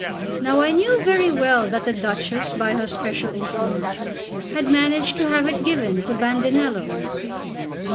Now I knew very well that the Duchess by her special influence had managed to have it given to Bandinello.